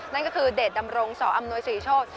นั่นก็คือเดชดำรงสออำนวยศรีโชค